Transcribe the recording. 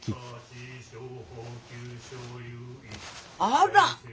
あら！